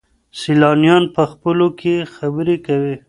سیلانیان په خپلو کې خبرې کوي.